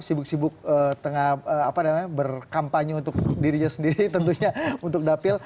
sibuk sibuk tengah berkampanye untuk dirinya sendiri tentunya untuk dapil